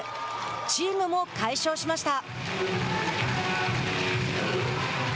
チームも快勝しました。